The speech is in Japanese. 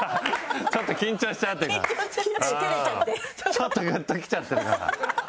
ちょっとグッときちゃったから。